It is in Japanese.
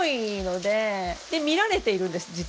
で見られているんです実は。